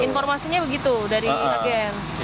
informasinya begitu dari agen